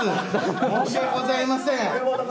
申し訳ございません。